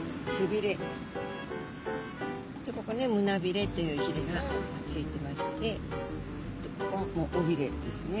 でここに胸びれというひれがついてましてここは尾びれですね。